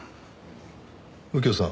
右京さん